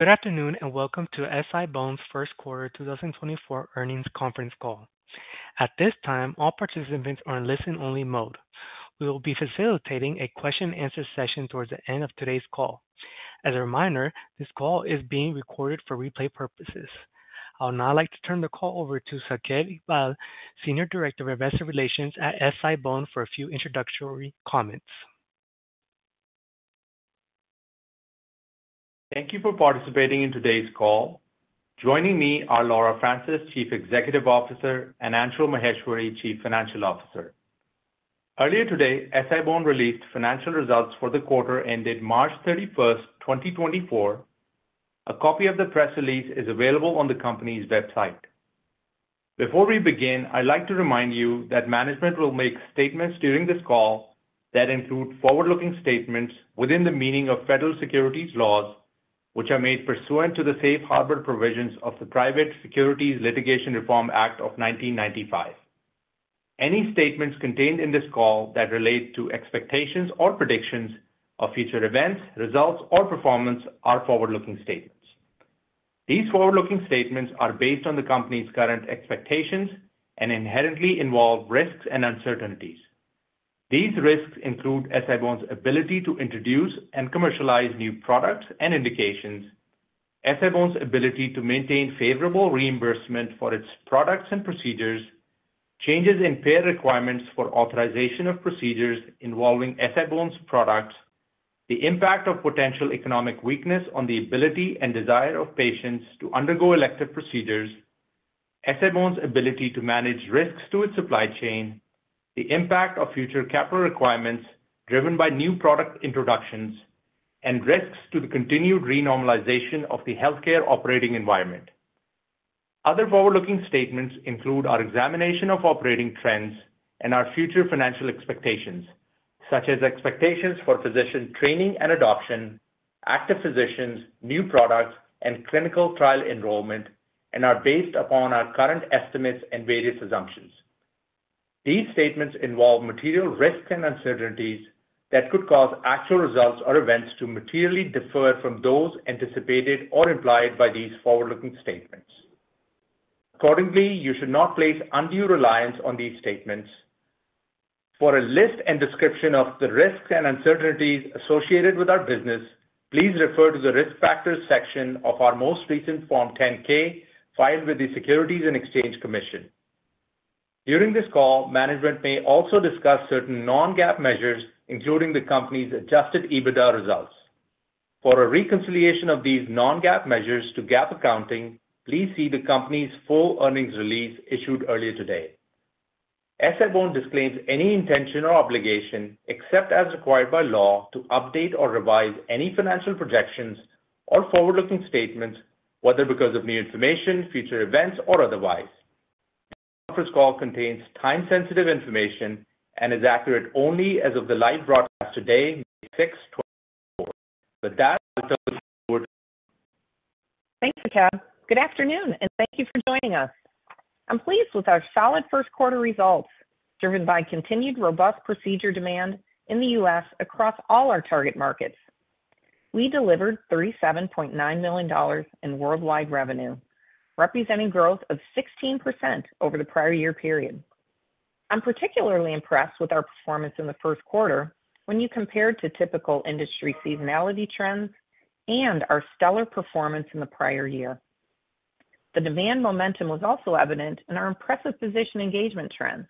Good afternoon, and welcome to SI-BONE's Q1 2024 earnings conference call. At this time, all participants are in listen-only mode. We will be facilitating a question and answer session towards the end of today's call. As a reminder, this call is being recorded for replay purposes. I would now like to turn the call over to Saqib Iqbal, Senior Director of Investor Relations at SI-BONE, for a few introductory comments. Thank you for participating in today's call. Joining me are Laura Francis, Chief Executive Officer, and Anshul Maheshwari, Chief Financial Officer. Earlier today, SI-BONE released financial results for the quarter ended March 31, 2024. A copy of the press release is available on the company's website. Before we begin, I'd like to remind you that management will make statements during this call that include forward-looking statements within the meaning of federal securities laws, which are made pursuant to the safe harbor provisions of the Private Securities Litigation Reform Act of 1995. Any statements contained in this call that relate to expectations or predictions of future events, results, or performance are forward-looking statements. These forward-looking statements are based on the company's current expectations and inherently involve risks and uncertainties. These risks include SI-BONE's ability to introduce and commercialize new products and indications, SI-BONE's ability to maintain favorable reimbursement for its products and procedures, changes in payer requirements for authorization of procedures involving SI-BONE's products, the impact of potential economic weakness on the ability and desire of patients to undergo elective procedures, SI-BONE's ability to manage risks to its supply chain, the impact of future capital requirements driven by new product introductions, and risks to the continued renormalization of the healthcare operating environment. Other forward-looking statements include our examination of operating trends and our future financial expectations, such as expectations for physician training and adoption, active physicians, new products, and clinical trial enrollment, and are based upon our current estimates and various assumptions. These statements involve material risks and uncertainties that could cause actual results or events to materially differ from those anticipated or implied by these forward-looking statements. Accordingly, you should not place undue reliance on these statements. For a list and description of the risks and uncertainties associated with our business, please refer to the Risk Factors section of our most recent Form 10-K, filed with the Securities and Exchange Commission. During this call, management may also discuss certain non-GAAP measures, including the company's Adjusted EBITDA results. For a reconciliation of these non-GAAP measures to GAAP accounting, please see the company's full earnings release issued earlier today. SI-BONE disclaims any intention or obligation, except as required by law, to update or revise any financial projections or forward-looking statements, whether because of new information, future events, or otherwise. This conference call contains time-sensitive information and is accurate only as of the live broadcast today, May sixth, 2024. With that, I'll turn it over to Laura. Thanks, Saqib. Good afternoon, and thank you for joining us. I'm pleased with our solid Q1 results, driven by continued robust procedure demand in the US across all our target markets. We delivered $37.9 million in worldwide revenue, representing growth of 16% over the prior year period. I'm particularly impressed with our performance in the Q1 when you compare to typical industry seasonality trends and our stellar performance in the prior year. The demand momentum was also evident in our impressive physician engagement trends.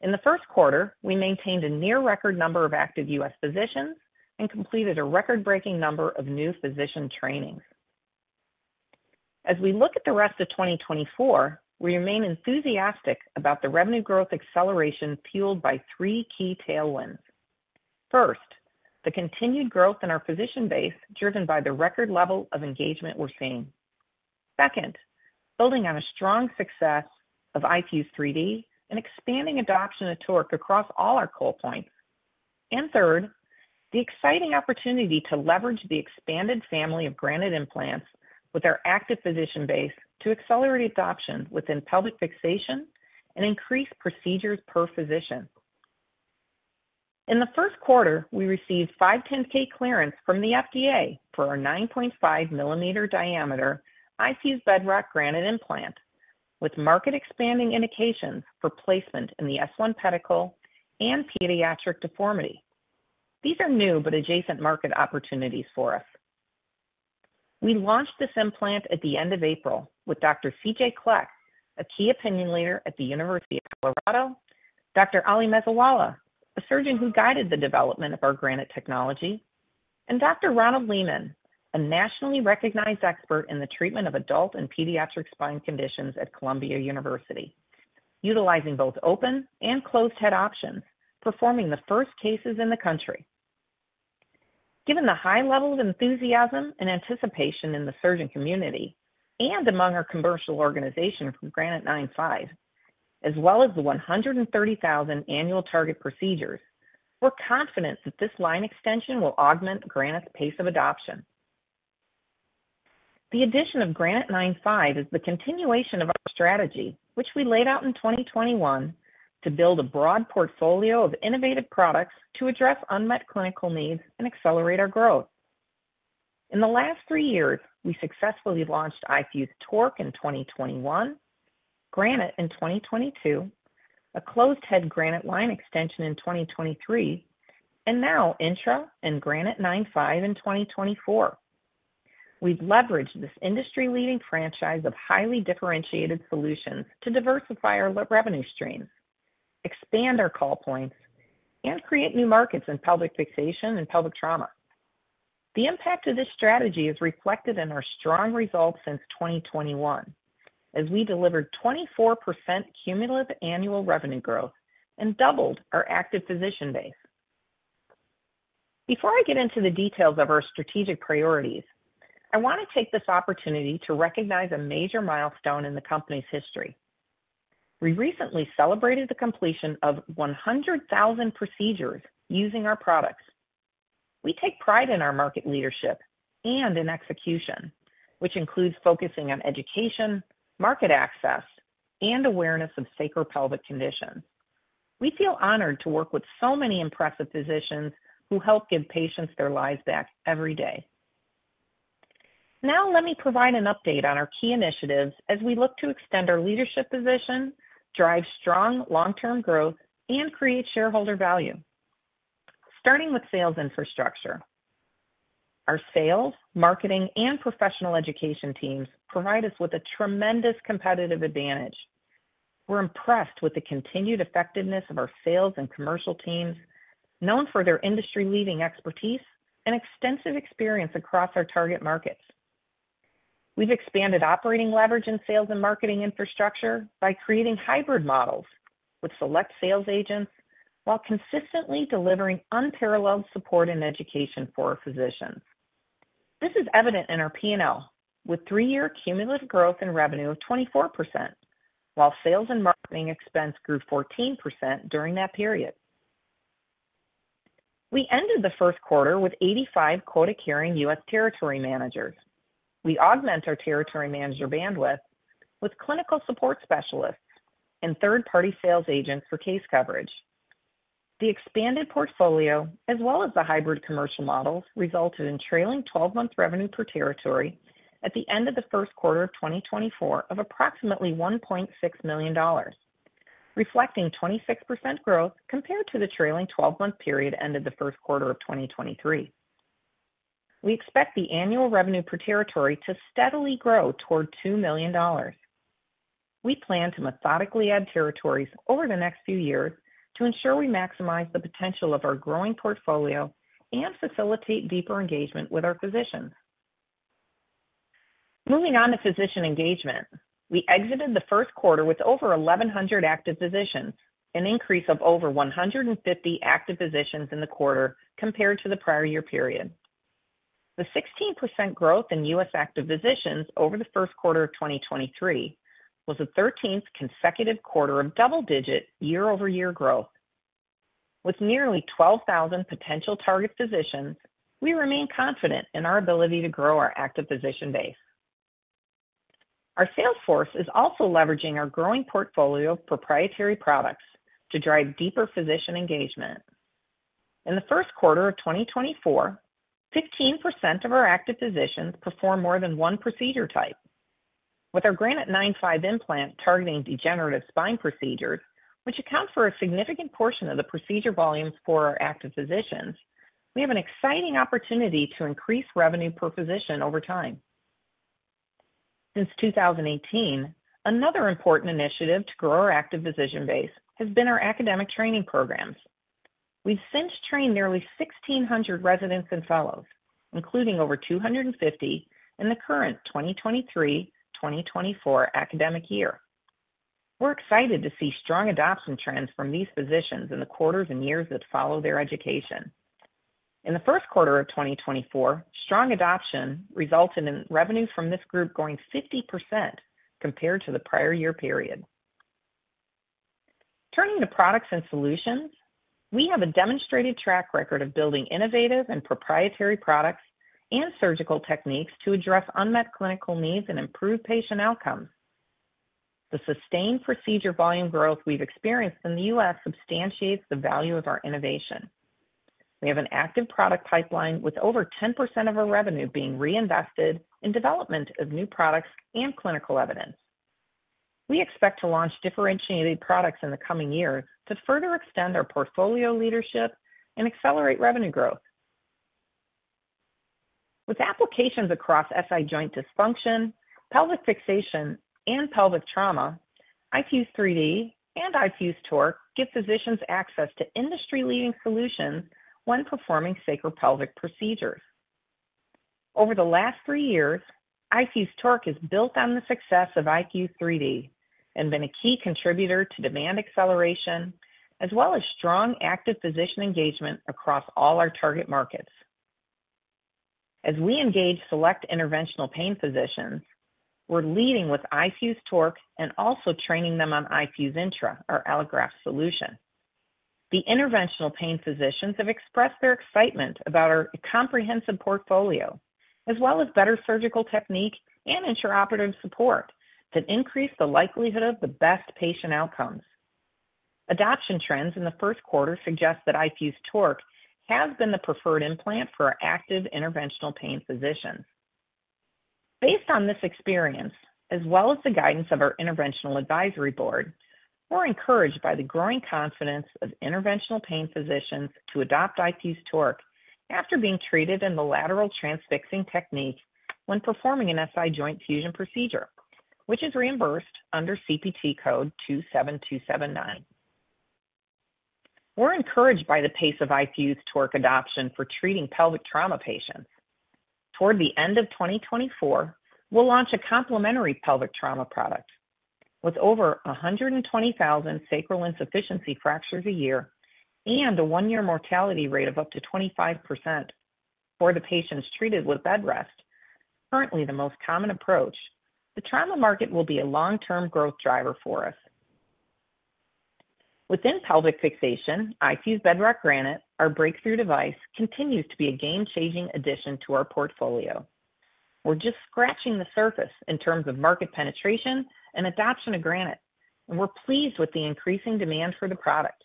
In the Q1, we maintained a near record number of active US physicians and completed a record-breaking number of new physician trainings. As we look at the rest of 2024, we remain enthusiastic about the revenue growth acceleration fueled by three key tailwinds. First, the continued growth in our physician base, driven by the record level of engagement we're seeing. Second, building on a strong success of iFuse 3D and expanding adoption of TORQ across all our call points. Third, the exciting opportunity to leverage the expanded family of Granite implants with our active physician base to accelerate adoption within pelvic fixation and increase procedures per physician. In the Q1, we received 510(k) clearance from the FDA for our 9.5 millimeter diameter iFuse Bedrock Granite implant, with market-expanding indications for placement in the S1 pedicle and pediatric deformity. These are new but adjacent market opportunities for us. We launched this implant at the end of April with Dr. C.J. Kleck, a key opinion leader at the University of Colorado, Dr. Ali Mesiwala, a surgeon who guided the development of our Granite technology, and Dr. Ronald Lehman, a nationally recognized expert in the treatment of adult and pediatric spine conditions at Columbia University, utilizing both open and closed head options, performing the first cases in the country. Given the high level of enthusiasm and anticipation in the surgeon community and among our commercial organization from Granite 9.5, as well as the 130,000 annual target procedures, we're confident that this line extension will augment Granite's pace of adoption.... The addition of Granite 9.5 is the continuation of our strategy, which we laid out in 2021, to build a broad portfolio of innovative products to address unmet clinical needs and accelerate our growth. In the last three years, we successfully launched iFuse TORQ in 2021, Granite in 2022, a closed head Granite line extension in 2023, and now iFuse INTRA and Granite 9.5 in 2024. We've leveraged this industry-leading franchise of highly differentiated solutions to diversify our revenue streams, expand our call points, and create new markets in pelvic fixation and pelvic trauma. The impact of this strategy is reflected in our strong results since 2021, as we delivered 24% cumulative annual revenue growth and doubled our active physician base. Before I get into the details of our strategic priorities, I want to take this opportunity to recognize a major milestone in the company's history. We recently celebrated the completion of 100,000 procedures using our products. We take pride in our market leadership and in execution, which includes focusing on education, market access, and awareness of sacropelvic conditions. We feel honored to work with so many impressive physicians who help give patients their lives back every day. Now, let me provide an update on our key initiatives as we look to extend our leadership position, drive strong long-term growth, and create shareholder value. Starting with sales infrastructure. Our sales, marketing, and professional education teams provide us with a tremendous competitive advantage. We're impressed with the continued effectiveness of our sales and commercial teams, known for their industry-leading expertise and extensive experience across our target markets. We've expanded operating leverage in sales and marketing infrastructure by creating hybrid models with select sales agents, while consistently delivering unparalleled support and education for our physicians. This is evident in our P&L, with 3-year cumulative growth in revenue of 24%, while sales and marketing expense grew 14% during that period. We ended the Q1 with 85 quota-carrying US territory managers. We augment our territory manager bandwidth with clinical support specialists and third-party sales agents for case coverage. The expanded portfolio, as well as the hybrid commercial models, resulted in trailing twelve-month revenue per territory at the end of the Q1 of 2024 of approximately $1.6 million, reflecting 26% growth compared to the trailing twelve-month period end of the Q1 of 2023. We expect the annual revenue per territory to steadily grow toward $2 million. We plan to methodically add territories over the next few years to ensure we maximize the potential of our growing portfolio and facilitate deeper engagement with our physicians. Moving on to physician engagement. We exited the Q1 with over 1,100 active physicians, an increase of over 150 active physicians in the quarter compared to the prior year period. The 16% growth in US active physicians over the Q1 of 2023 was the 13th consecutive quarter of double-digit year-over-year growth. With nearly 12,000 potential target physicians, we remain confident in our ability to grow our active physician base. Our sales force is also leveraging our growing portfolio of proprietary products to drive deeper physician engagement. In the Q1 of 2024, 15% of our active physicians performed more than one procedure type. With our Granite 9.5 implant targeting degenerative spine procedures, which account for a significant portion of the procedure volumes for our active physicians, we have an exciting opportunity to increase revenue per physician over time. Since 2018, another important initiative to grow our active physician base has been our academic training programs. We've since trained nearly 1,600 residents and fellows, including over 250 in the current 2023/2024 academic year. We're excited to see strong adoption trends from these physicians in the quarters and years that follow their education. In the Q1 of 2024, strong adoption resulted in revenues from this group growing 50% compared to the prior year period. Turning to products and solutions, we have a demonstrated track record of building innovative and proprietary products and surgical techniques to address unmet clinical needs and improve patient outcomes. The sustained procedure volume growth we've experienced in the US substantiates the value of our innovation. We have an active product pipeline with over 10% of our revenue being reinvested in development of new products and clinical evidence. We expect to launch differentiated products in the coming years to further extend our portfolio leadership and accelerate revenue growth. With applications across SI joint dysfunction, pelvic fixation, and pelvic trauma, iFuse 3D and iFuse TORQ give physicians access to industry-leading solutions when performing sacropelvic procedures. Over the last three years, iFuse TORQ has built on the success of iFuse 3D and been a key contributor to demand acceleration, as well as strong active physician engagement across all our target markets. As we engage select interventional pain physicians, we're leading with iFuse TORQ and also training them on iFuse INTRA, our allograft solution.... The interventional pain physicians have expressed their excitement about our comprehensive portfolio, as well as better surgical technique and intraoperative support that increase the likelihood of the best patient outcomes. Adoption trends in the Q1 suggest that iFuse TORQ has been the preferred implant for active interventional pain physicians. Based on this experience, as well as the guidance of our interventional advisory board, we're encouraged by the growing confidence of interventional pain physicians to adopt iFuse TORQ after being treated in the lateral transfixing technique when performing an SI joint fusion procedure, which is reimbursed under CPT code 27279. We're encouraged by the pace of iFuse TORQ adoption for treating pelvic trauma patients. Toward the end of 2024, we'll launch a complementary pelvic trauma product. With over 120,000 sacral insufficiency fractures a year and a one-year mortality rate of up to 25% for the patients treated with bed rest, currently the most common approach, the trauma market will be a long-term growth driver for us. Within pelvic fixation, iFuse Bedrock Granite, our breakthrough device, continues to be a game-changing addition to our portfolio. We're just scratching the surface in terms of market penetration and adoption of Granite, and we're pleased with the increasing demand for the product.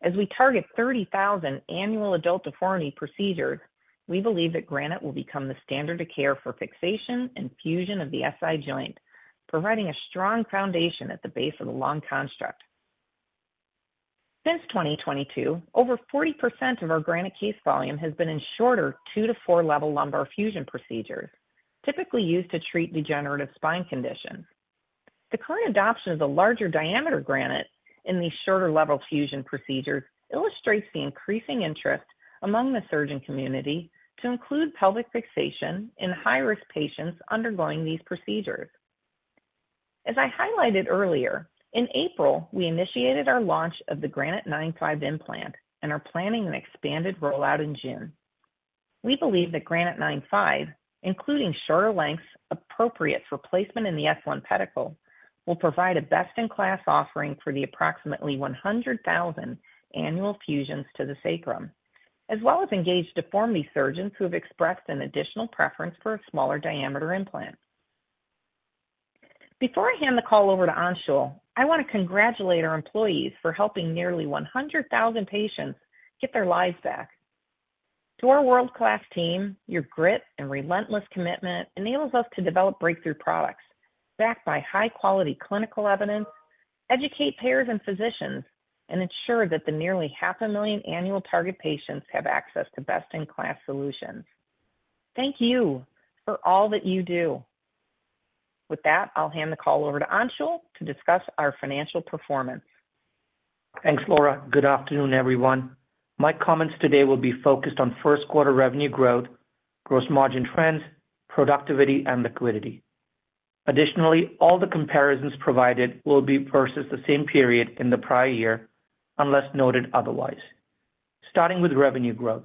As we target 30,000 annual adult deformity procedures, we believe that Granite will become the standard of care for fixation and fusion of the SI joint, providing a strong foundation at the base of the long construct. Since 2022, over 40% of our Granite case volume has been in shorter 2- to 4-level lumbar fusion procedures, typically used to treat degenerative spine conditions. The current adoption of the larger diameter Granite in these shorter level fusion procedures illustrates the increasing interest among the surgeon community to include pelvic fixation in high-risk patients undergoing these procedures. As I highlighted earlier, in April, we initiated our launch of the Granite 9.5 implant and are planning an expanded rollout in June. We believe that Granite 9.5, including shorter lengths appropriate for placement in the S1 pedicle, will provide a best-in-class offering for the approximately 100,000 annual fusions to the sacrum, as well as engage deformity surgeons who have expressed an additional preference for a smaller diameter implant. Before I hand the call over to Anshul, I want to congratulate our employees for helping nearly 100,000 patients get their lives back. To our world-class team, your grit and relentless commitment enables us to develop breakthrough products backed by high-quality clinical evidence, educate payers and physicians, and ensure that the nearly 500,000 annual target patients have access to best-in-class solutions. Thank you for all that you do. With that, I'll hand the call over to Anshul to discuss our financial performance. Thanks, Laura. Good afternoon, everyone. My comments today will be focused on Q1 revenue growth, gross margin trends, productivity, and liquidity. Additionally, all the comparisons provided will be versus the same period in the prior year, unless noted otherwise. Starting with revenue growth.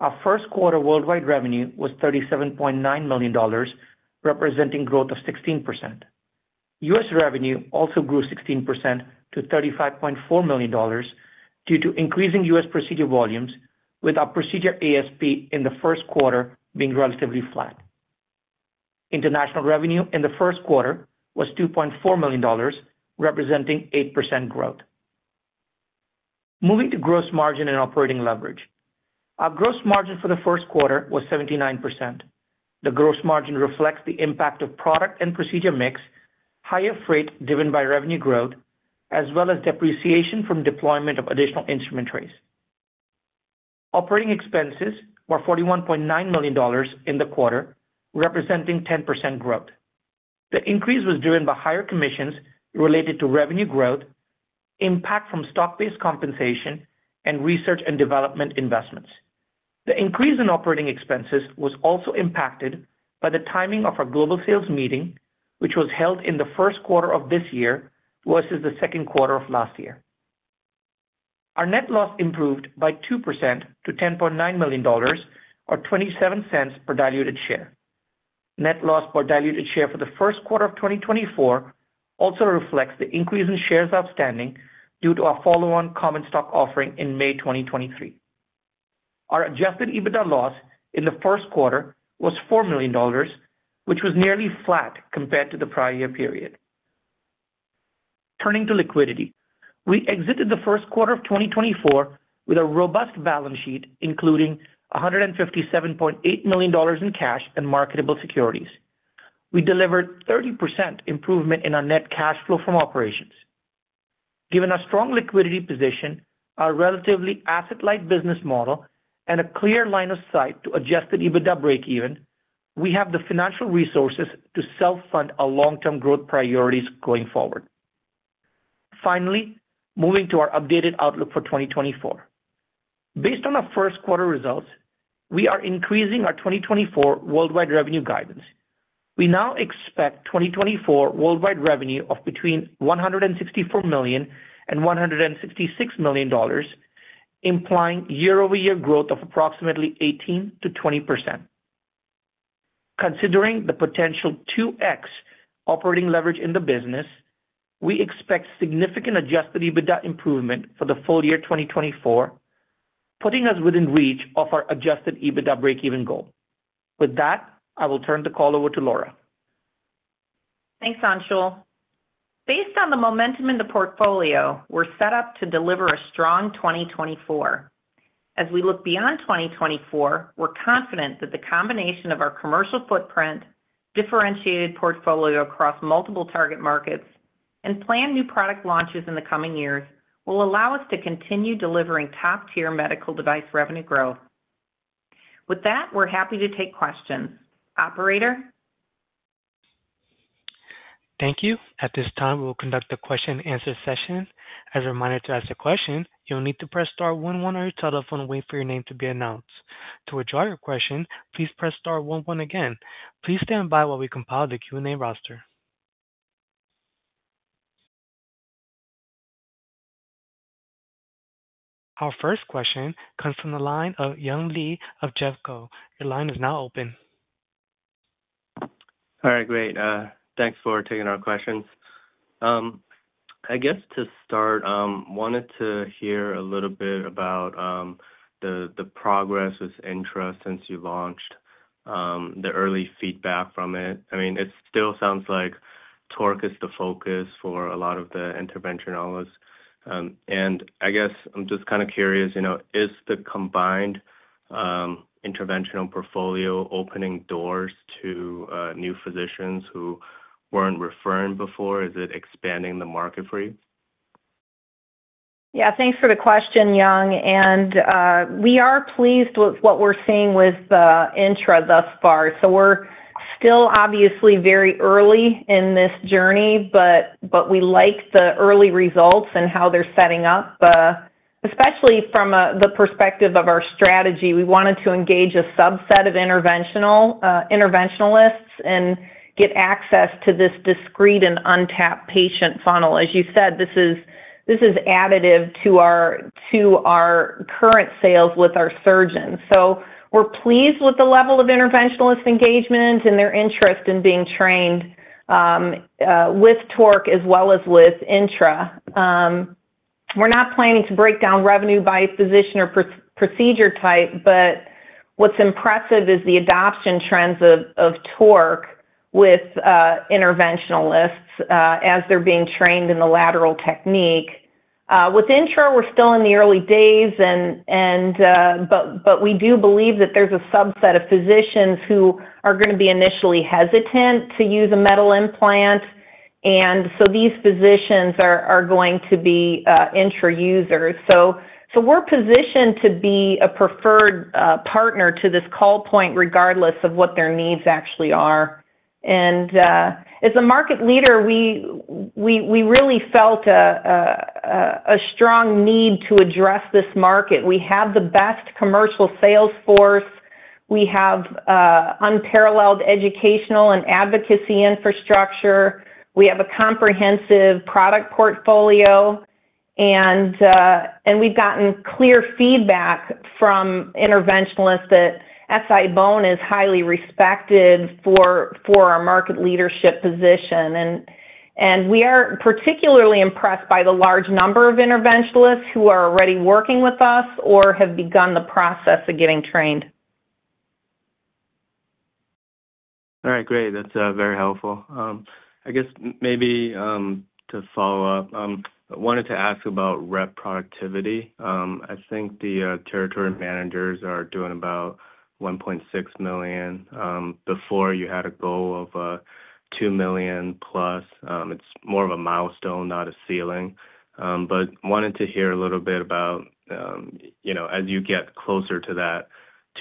Our Q1 worldwide revenue was $37.9 million, representing growth of 16%. US revenue also grew 16% to $35.4 million due to increasing US procedure volumes, with our procedure ASP in the Q1 being relatively flat. International revenue in the Q1 was $2.4 million, representing 8% growth. Moving to gross margin and operating leverage. Our gross margin for the Q1 was 79%. The gross margin reflects the impact of product and procedure mix, higher freight driven by revenue growth, as well as depreciation from deployment of additional instrument trays. Operating expenses were $41.9 million in the quarter, representing 10% growth. The increase was driven by higher commissions related to revenue growth, impact from stock-based compensation, and research and development investments. The increase in operating expenses was also impacted by the timing of our global sales meeting, which was held in the Q1 of this year versus the Q2 of last year. Our net loss improved by 2% to $10.9 million, or $0.27 per diluted share. Net loss per diluted share for the Q1 of 2024 also reflects the increase in shares outstanding due to our follow-on common stock offering in May 2023. Our Adjusted EBITDA loss in the Q1 was $4 million, which was nearly flat compared to the prior year period. Turning to liquidity. We exited the Q1 of 2024 with a robust balance sheet, including $157.8 million in cash and marketable securities. We delivered 30% improvement in our net cash flow from operations. Given our strong liquidity position, our relatively asset-light business model, and a clear line of sight to Adjusted EBITDA breakeven, we have the financial resources to self-fund our long-term growth priorities going forward. Finally, moving to our updated outlook for 2024. Based on our Q1 results, we are increasing our 2024 worldwide revenue guidance. We now expect 2024 worldwide revenue of between $164 million and $166 million, implying year-over-year growth of approximately 18%-20%. Considering the potential 2x operating leverage in the business, we expect significant Adjusted EBITDA improvement for the full year 2024, putting us within reach of our Adjusted EBITDA breakeven goal. With that, I will turn the call over to Laura. Thanks, Anshul. Based on the momentum in the portfolio, we're set up to deliver a strong 2024. As we look beyond 2024, we're confident that the combination of our commercial footprint, differentiated portfolio across multiple target markets, and planned new product launches in the coming years will allow us to continue delivering top-tier medical device revenue growth. With that, we're happy to take questions. Operator? Thank you. At this time, we will conduct a question-and-answer session. As a reminder, to ask a question, you'll need to press star one one on your telephone and wait for your name to be announced. To withdraw your question, please press star one one again. Please stand by while we compile the Q&A roster. Our first question comes from the line of Young Li of Jefferies. Your line is now open. All right, great, thanks for taking our questions. I guess to start, wanted to hear a little bit about the progress with INTRA since you launched the early feedback from it. I mean, it still sounds like TORQ is the focus for a lot of the interventionalists. And I guess I'm just kind of curious, you know, is the combined interventional portfolio opening doors to new physicians who weren't referring before? Is it expanding the market for you? Yeah, thanks for the question, Young. And we are pleased with what we're seeing with the intra thus far. So we're still obviously very early in this journey, but we like the early results and how they're setting up, especially from the perspective of our strategy. We wanted to engage a subset of interventionalists and get access to this discrete and untapped patient funnel. As you said, this is additive to our current sales with our surgeons. So we're pleased with the level of interventionalist engagement and their interest in being trained with TORQ as well as with intra. We're not planning to break down revenue by physician or procedure type, but what's impressive is the adoption trends of TORQ with interventionalists as they're being trained in the lateral technique. With intra, we're still in the early days, but we do believe that there's a subset of physicians who are going to be initially hesitant to use a metal implant, and so these physicians are going to be intra users. We're positioned to be a preferred partner to this call point, regardless of what their needs actually are. As a market leader, we really felt a strong need to address this market. We have the best commercial sales force. We have unparalleled educational and advocacy infrastructure. We have a comprehensive product portfolio, and we've gotten clear feedback from interventionalists that SI-BONE is highly respected for our market leadership position. We are particularly impressed by the large number of interventionalists who are already working with us or have begun the process of getting trained. All right, great. That's very helpful. I guess maybe to follow up, I wanted to ask about rep productivity. I think the territory managers are doing about $1.6 million. Before you had a goal of $2 million plus. It's more of a milestone, not a ceiling. But wanted to hear a little bit about, you know, as you get closer to that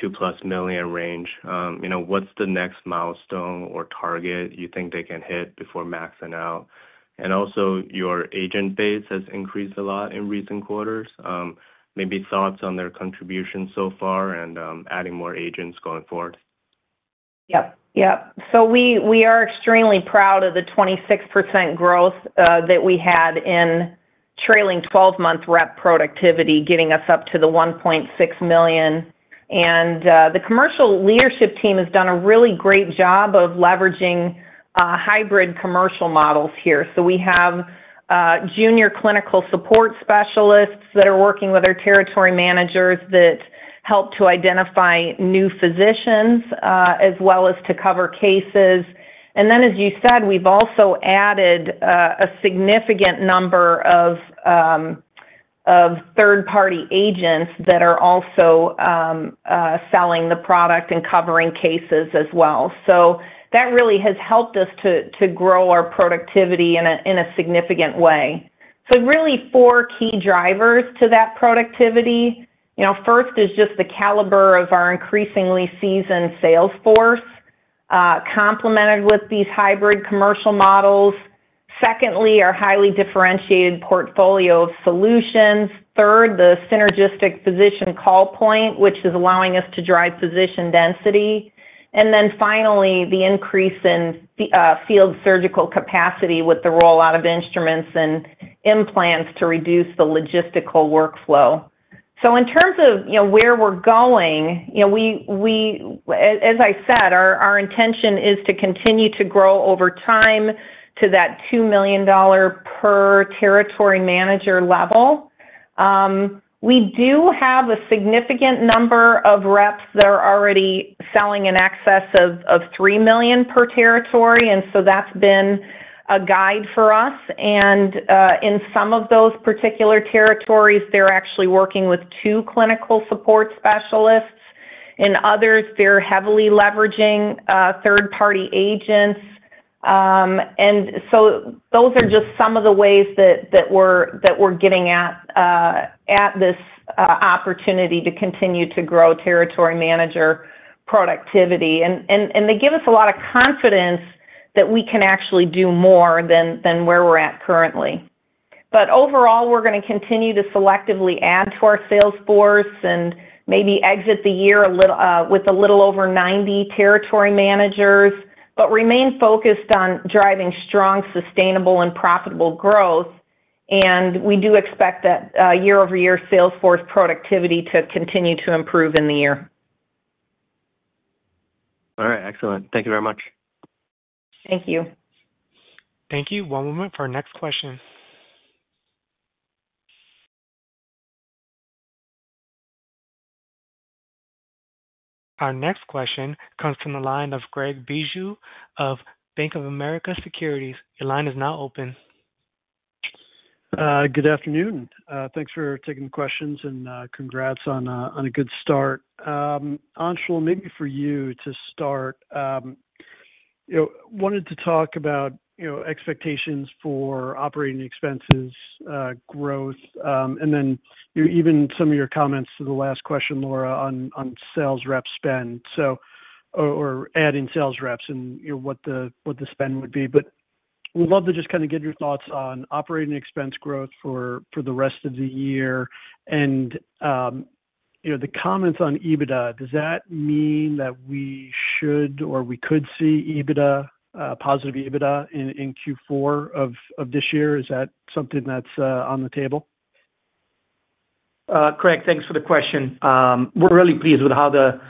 $2+ million range, you know, what's the next milestone or target you think they can hit before maxing out? And also, your agent base has increased a lot in recent quarters. Maybe thoughts on their contribution so far and adding more agents going forward. Yep. Yep. So we are extremely proud of the 26% growth that we had in trailing twelve-month rep productivity, getting us up to the $1.6 million. And the commercial leadership team has done a really great job of leveraging hybrid commercial models here. So we have junior clinical support specialists that are working with our territory managers that help to identify new physicians as well as to cover cases. And then, as you said, we've also added a significant number of third-party agents that are also selling the product and covering cases as well. So that really has helped us to grow our productivity in a significant way. So really four key drivers to that productivity. You know, first is just the caliber of our increasingly seasoned sales force, complemented with these hybrid commercial models. Secondly, our highly differentiated portfolio of solutions. Third, the synergistic physician call point, which is allowing us to drive physician density. And then finally, the increase in the field surgical capacity with the rollout of instruments and implants to reduce the logistical workflow.... So in terms of, you know, where we're going, you know, as I said, our intention is to continue to grow over time to that $2 million per territory manager level. We do have a significant number of reps that are already selling in excess of $3 million per territory, and so that's been a guide for us. And in some of those particular territories, they're actually working with two clinical support specialists. In others, they're heavily leveraging third-party agents. And so those are just some of the ways that we're getting at this opportunity to continue to grow territory manager productivity. And they give us a lot of confidence that we can actually do more than where we're at currently. But overall, we're gonna continue to selectively add to our sales force and maybe exit the year a little with a little over 90 territory managers, but remain focused on driving strong, sustainable, and profitable growth. And we do expect that year-over-year sales force productivity to continue to improve in the year. All right, excellent. Thank you very much. Thank you. Thank you. One moment for our next question. Our next question comes from the line of Craig Bijou of Bank of America Securities. Your line is now open. Good afternoon. Thanks for taking the questions, and congrats on a good start. Anshul, maybe for you to start, you know, wanted to talk about, you know, expectations for operating expenses growth, and then even some of your comments to the last question, Laura, on sales rep spend. So or adding sales reps and, you know, what the spend would be. But would love to just kind of get your thoughts on operating expense growth for the rest of the year. And, you know, the comments on EBITDA, does that mean that we should, or we could see EBITDA, positive EBITDA in Q4 of this year? Is that something that's on the table? Greg, thanks for the question. We're really pleased with how the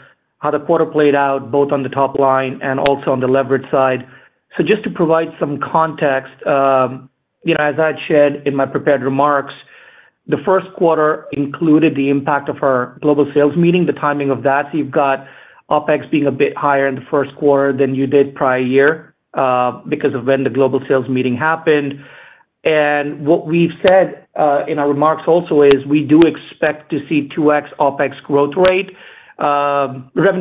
quarter played out, both on the top line and also on the leverage side. So just to provide some context, you know, as I'd shared in my prepared remarks, the Q1 included the impact of our global sales meeting, the timing of that. You've got OpEx being a bit higher in the Q1 than you did prior year, because of when the global sales meeting happened. And what we've said in our remarks also is, we do expect to see revenue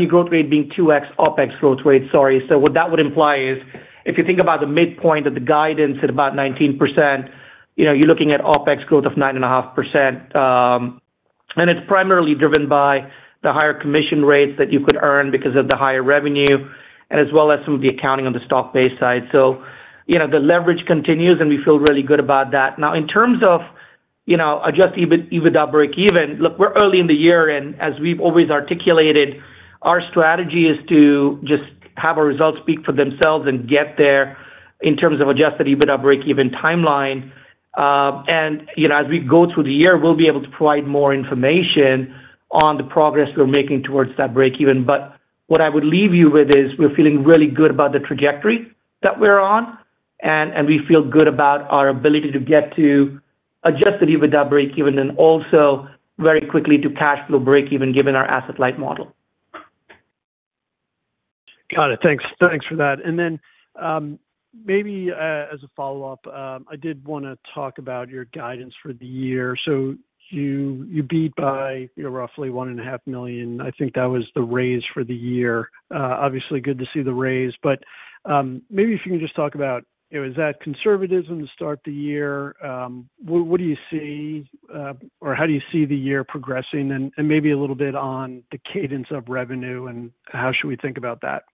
growth rate being 2x OpEx growth rate, sorry. So what that would imply is, if you think about the midpoint of the guidance at about 19%, you know, you're looking at OpEx growth of 9.5%. And it's primarily driven by the higher commission rates that you could earn because of the higher revenue, and as well as some of the accounting on the stock-based side. So, you know, the leverage continues, and we feel really good about that. Now, in terms of, you know, Adjusted EBITDA breakeven, look, we're early in the year, and as we've always articulated, our strategy is to just have our results speak for themselves and get there in terms of Adjusted EBITDA breakeven timeline. And, you know, as we go through the year, we'll be able to provide more information on the progress we're making towards that breakeven. But what I would leave you with is, we're feeling really good about the trajectory that we're on, and we feel good about our ability to get to Adjusted EBITDA breakeven and also very quickly to cash flow breakeven, given our asset-light model. Got it. Thanks. Thanks for that. And then, maybe, as a follow-up, I did wanna talk about your guidance for the year. So you, you beat by, you know, roughly $1.5 million. I think that was the raise for the year. Obviously, good to see the raise, but, maybe if you can just talk about, you know, is that conservatism to start the year? What, what do you see, or how do you see the year progressing? And, and maybe a little bit on the cadence of revenue, and how should we think about that?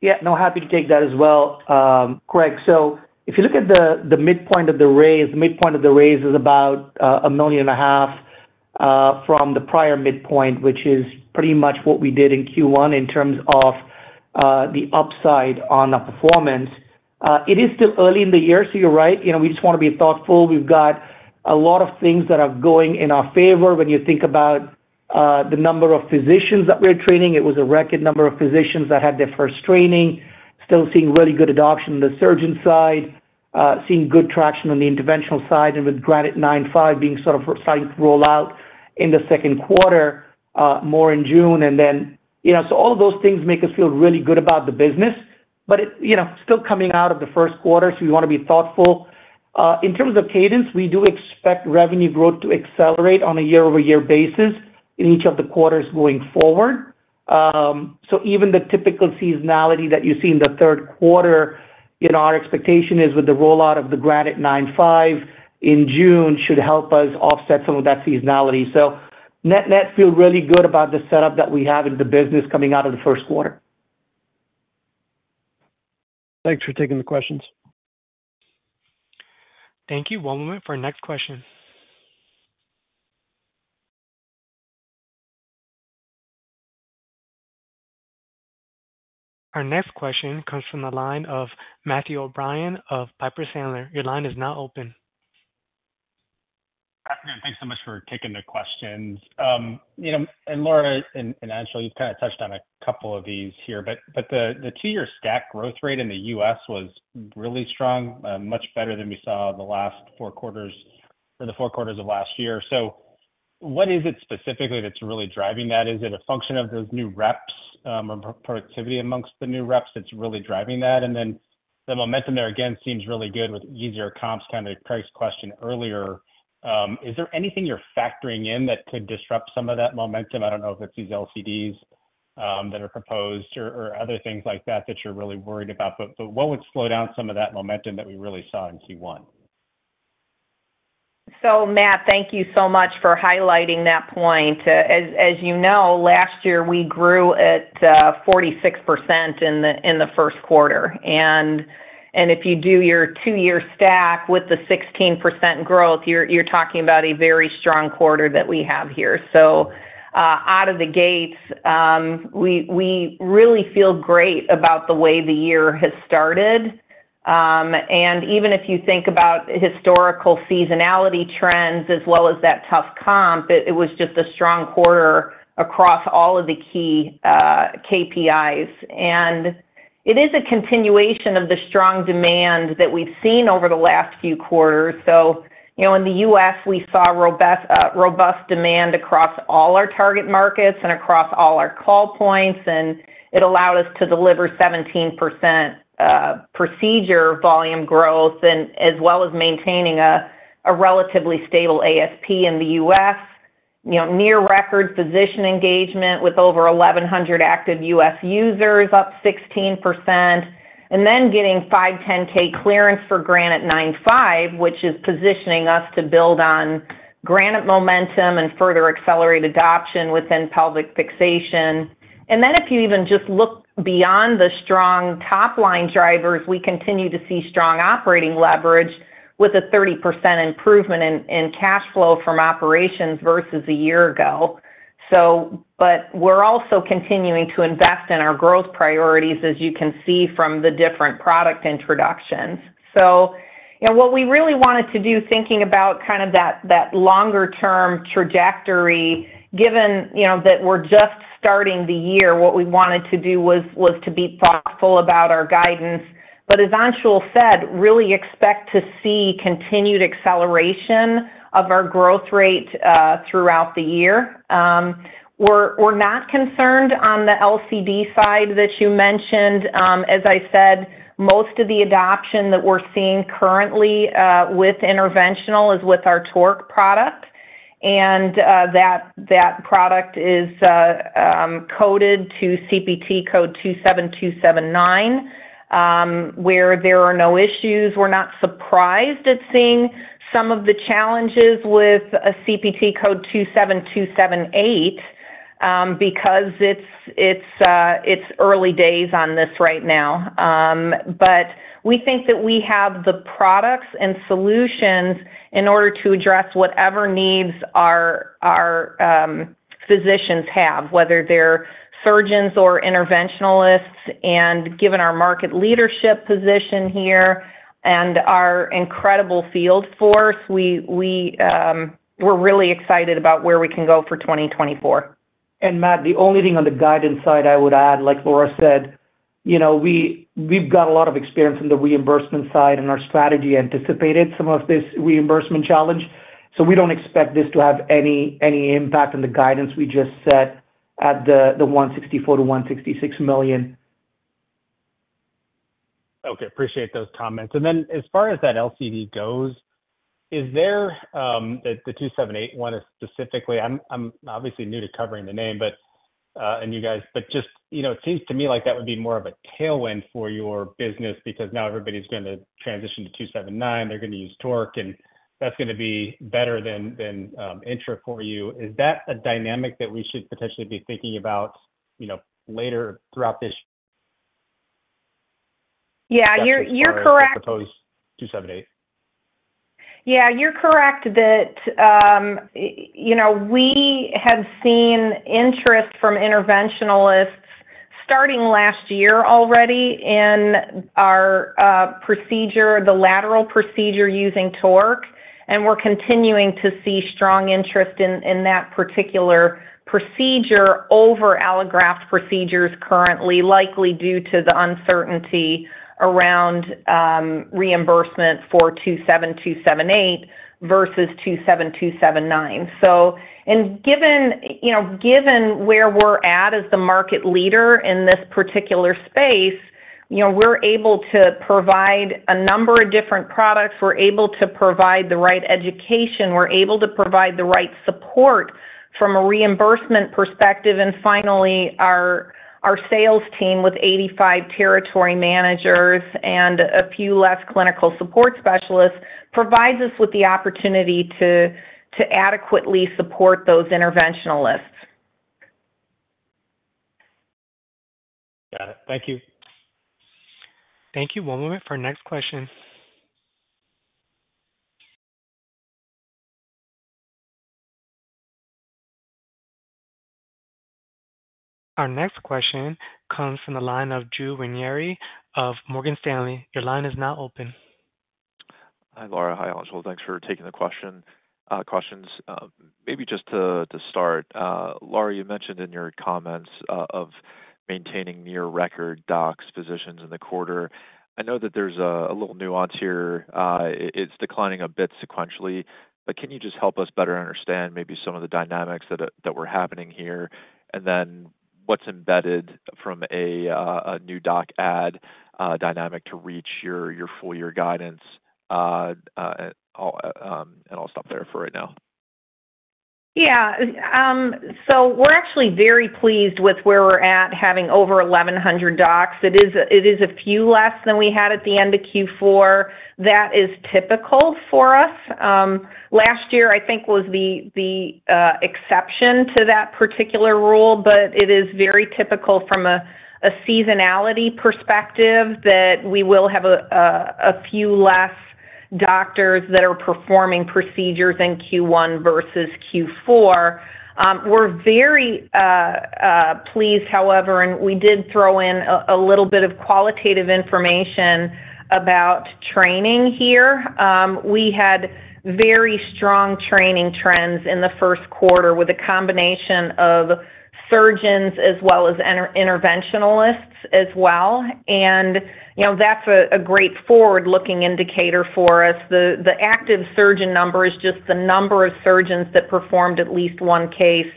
Yeah, no, happy to take that as well, Craig. So if you look at the midpoint of the raise, the midpoint of the raise is about $1.5 million from the prior midpoint, which is pretty much what we did in Q1 in terms of the upside on the performance. It is still early in the year, so you're right. You know, we just wanna be thoughtful. We've got a lot of things that are going in our favor when you think about the number of physicians that we're training. It was a record number of physicians that had their first training. Still seeing really good adoption on the surgeon side, seeing good traction on the interventional side, and with Granite 9.5 being sort of starting to roll out in the second quarter, more in June. And then, you know, so all of those things make us feel really good about the business, but it-- you know, still coming out of the Q1, so we wanna be thoughtful. In terms of cadence, we do expect revenue growth to accelerate on a year-over-year basis in each of the quarters going forward. So even the typical seasonality that you see in the Q3, you know, our expectation is with the rollout of the Granite 9.5 in June, should help us offset some of that seasonality. So net-net, feel really good about the setup that we have in the business coming out of the Q1. Thanks for taking the questions. Thank you. One moment for our next question.... Our next question comes from the line of Matthew O'Brien of Piper Sandler. Your line is now open. Afternoon. Thanks so much for taking the questions. You know, and Laura and Anshul, you've kind of touched on a couple of these here, but the two-year stack growth rate in the US was really strong, much better than we saw in the last four quarters or the four quarters of last year. So what is it specifically that's really driving that? Is it a function of those new reps, or productivity amongst the new reps that's really driving that? And then the momentum there, again, seems really good with easier comps, kind of Craig's question earlier. Is there anything you're factoring in that could disrupt some of that momentum? I don't know if it's these LCDs that are proposed or other things like that that you're really worried about. But what would slow down some of that momentum that we really saw in Q1? So Matt, thank you so much for highlighting that point. As you know, last year, we grew at 46% in the Q1. And if you do your two-year stack with the 16% growth, you're talking about a very strong quarter that we have here. So, out of the gates, we really feel great about the way the year has started. And even if you think about historical seasonality trends as well as that tough comp, it was just a strong quarter across all of the key KPIs. And it is a continuation of the strong demand that we've seen over the last few quarters. So you know, in the US, we saw robust demand across all our target markets and across all our call points, and it allowed us to deliver 17% procedure volume growth and as well as maintaining a relatively stable ASP in the US. You know, near-record physician engagement with over 1,100 active US users, up 16%, and then getting 510(k) clearance for Granite 9.5, which is positioning us to build on Granite momentum and further accelerate adoption within pelvic fixation. And then if you even just look beyond the strong top-line drivers, we continue to see strong operating leverage with a 30% improvement in cash flow from operations versus a year ago. So but we're also continuing to invest in our growth priorities, as you can see from the different product introductions. So you know, what we really wanted to do, thinking about kind of that longer-term trajectory, given you know that we're just starting the year, what we wanted to do was to be thoughtful about our guidance. But as Anshul said, really expect to see continued acceleration of our growth rate throughout the year. We're not concerned on the LCD side that you mentioned. As I said, most of the adoption that we're seeing currently with interventional is with our TORQ product, and that product is coded to CPT code 27279, where there are no issues. We're not surprised at seeing some of the challenges with a CPT code 27278, because it's early days on this right now. But we think that we have the products and solutions in order to address whatever needs our physicians have, whether they're surgeons or interventionalists. And given our market leadership position here and our incredible field force, we're really excited about where we can go for 2024. And Matt, the only thing on the guidance side I would add, like Laura said, you know, we, we've got a lot of experience on the reimbursement side, and our strategy anticipated some of this reimbursement challenge. So we don't expect this to have any, any impact on the guidance we just set at the $164 million to $166 million. Okay, appreciate those comments. And then as far as that LCD goes, is there the 27278 specifically? I'm obviously new to covering the name, but just, you know, it seems to me like that would be more of a tailwind for your business because now everybody's going to transition to 27279. They're going to use TORQ, and that's going to be better than INTRA for you. Is that a dynamic that we should potentially be thinking about, you know, later throughout this- Yeah, you're, you're correct. Propose 278. Yeah, you're correct that, you know, we have seen interest from interventionalists starting last year already in our procedure, the lateral procedure using TORQ, and we're continuing to see strong interest in that particular procedure over allograft procedures currently, likely due to the uncertainty around reimbursement for 27278 versus 27279. So and given, you know, given where we're at as the market leader in this particular space, you know, we're able to provide a number of different products. We're able to provide the right education. We're able to provide the right support from a reimbursement perspective. And finally, our sales team, with 85 territory managers and a few less clinical support specialists, provides us with the opportunity to adequately support those interventionalists. Got it. Thank you. Thank you. One moment for our next question. Our next question comes from the line of Drew Ranieri of Morgan Stanley. Your line is now open. Hi, Laura. Hi, Anshul. Thanks for taking the question, questions. Maybe just to start, Laura, you mentioned in your comments of maintaining near record docs, physicians in the quarter. I know that there's a little nuance here. It's declining a bit sequentially, but can you just help us better understand maybe some of the dynamics that were happening here? And then what's embedded from a new doc add dynamic to reach your full year guidance? And I'll stop there for right now. Yeah. So we're actually very pleased with where we're at, having over 1,100 docs. It is a few less than we had at the end of Q4. That is typical for us. Last year, I think, was the exception to that particular rule, but it is very typical from a seasonality perspective that we will have a few less doctors that are performing procedures in Q1 versus Q4. We're very pleased, however, and we did throw in a little bit of qualitative information about training here. We had very strong training trends in the Q1 with a combination of surgeons as well as interventionalists as well. You know, that's a great forward-looking indicator for us. The active surgeon number is just the number of surgeons that performed at least one case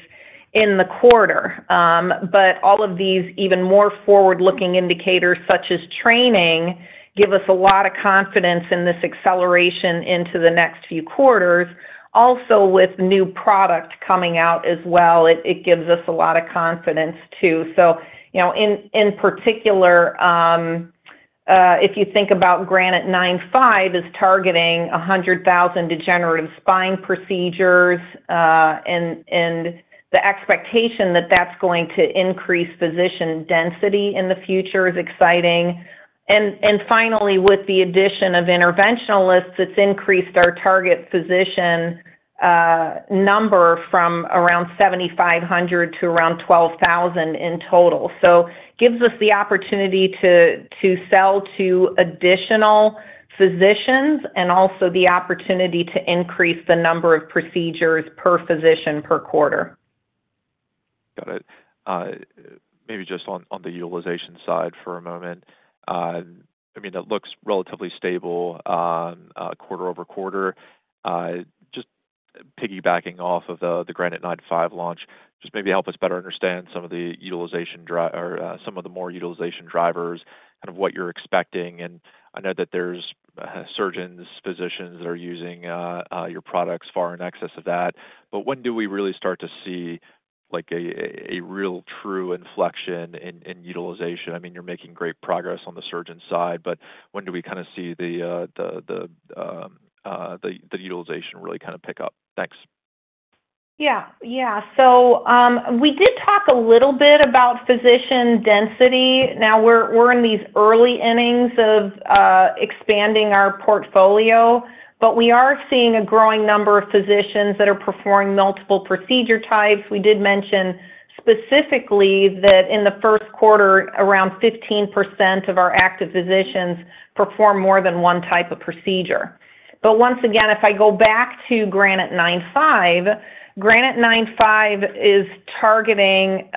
in the quarter. But all of these even more forward-looking indicators, such as training, give us a lot of confidence in this acceleration into the next few quarters. Also, with new product coming out as well, it gives us a lot of confidence, too. So, you know, in particular, if you think about Granite 9.5, is targeting 100,000 degenerative spine procedures, and the expectation that that's going to increase physician density in the future is exciting. And finally, with the addition of interventionalists, it's increased our target physician number from around 7,500 to around 12,000 in total. So gives us the opportunity to sell to additional physicians and also the opportunity to increase the number of procedures per physician per quarter. Got it. Maybe just on the utilization side for a moment. I mean, it looks relatively stable quarter over quarter. Just piggybacking off of the Granite 9.5 launch, just maybe help us better understand some of the utilization or some of the more utilization drivers and what you're expecting. And I know that there's surgeons, physicians that are using your products far in excess of that. But when do we really start to see, like a real true inflection in utilization? I mean, you're making great progress on the surgeon side, but when do we kinda see the utilization really kind of pick up? Thanks. Yeah. Yeah. So, we did talk a little bit about physician density. Now, we're in these early innings of expanding our portfolio, but we are seeing a growing number of physicians that are performing multiple procedure types. We did mention specifically that in the Q1, around 15% of our active physicians perform more than one type of procedure. But once again, if I go back to Granite 9.5, Granite 9.5 is targeting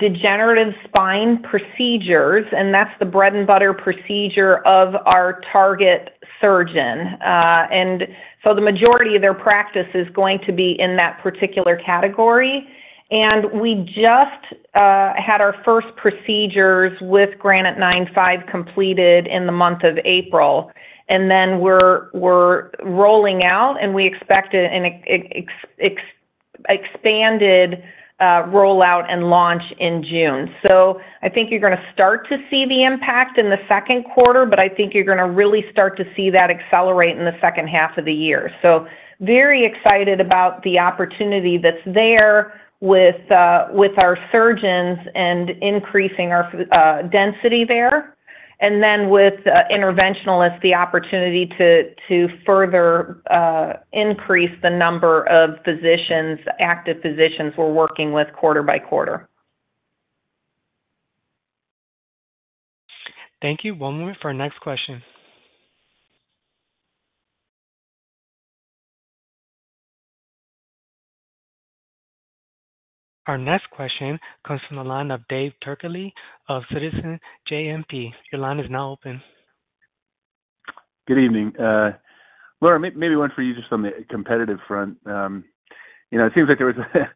degenerative spine procedures, and that's the bread and butter procedure of our target surgeon. And so the majority of their practice is going to be in that particular category. And we just had our first procedures with Granite 9.5 completed in the month of April, and then we're rolling out, and we expect an expanded rollout and launch in June. So I think you're gonna start to see the impact in the Q2, but I think you're gonna really start to see that accelerate in the second half of the year. So very excited about the opportunity that's there with our surgeons and increasing our density there. And then with interventionalists, the opportunity to further increase the number of physicians, active physicians we're working with quarter by quarter. Thank you. One moment for our next question. Our next question comes from the line of Dave Turkaly of Citizens JMP. Your line is now open. Good evening, Laura, maybe one for you, just on the competitive front. You know, it seems like there was